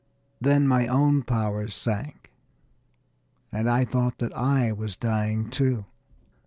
Then my own powers sank, and I thought that I was dying, too.